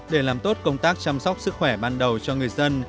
để làm tốt công tác chăm sóc sức khỏe ban đầu cho người dân